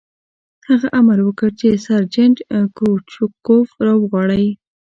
هغه امر وکړ چې سرجنټ کروچکوف را وغواړئ